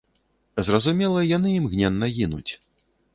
Зразумела, яны імгненна гінуць.